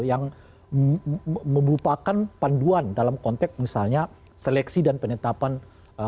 yang merupakan panduan dalam konteks misalnya seleksi dan penetapan